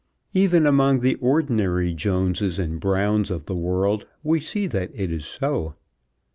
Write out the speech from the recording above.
Even among the ordinary Joneses and Browns of the world we see that it is so.